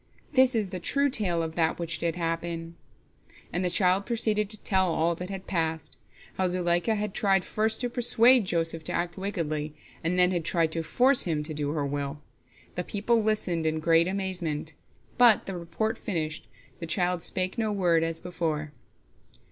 This is the true tale of that which did happen," and the child proceeded to tell all that had passed—how Zuleika had tried first to persuade Joseph to act wickedly, and then had tried to force him to do her will. The people listened in great amazement. But the report finished, the child spake no word, as before.